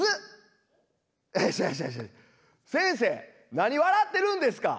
何笑ってるんですか。